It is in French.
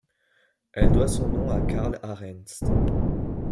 Elle doit son nom à Karl Arendts.